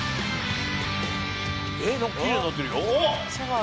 えっ何かきれいになってるよ。